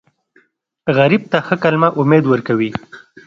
غریب ته ښه کلمه امید ورکوي